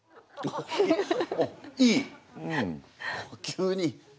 急に。